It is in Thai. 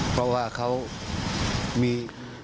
เพราะว่าเขามี